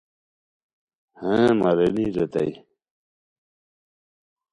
ہیں مہ رینی! ریتائے